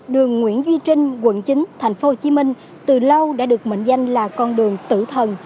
đường nguyễn duy trinh quận chín tp hcm từ lâu đã được mệnh danh là con đường tử thần